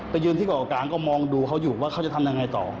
ยืนที่เกาะกลางก็มองดูเขาอยู่ว่าเขาจะทำยังไงต่อ